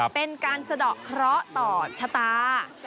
เป็นการสะดอกเคราะห์ต่อชะตา